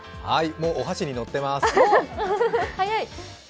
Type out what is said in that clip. もう、お箸に乗ってまーす。